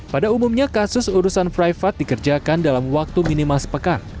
pada umumnya kasus urusan private dikerjakan dalam waktu minimal sepekan